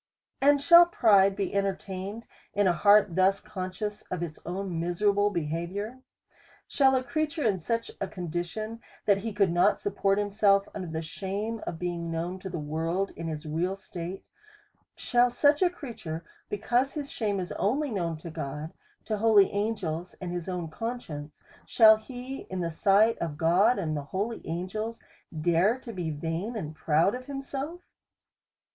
And shall pride be entertained in a heart thus con scious of its own miserable behaviour ? Shall a creature in such a condition, that he could not support himself under the shame of being known to the world in his real state ; shall such a creature, because his shame is only known to God, to holy an g els, and his own conscience ; shall he, in the sight of God, and holy angels, dare to be vain and proud of himself?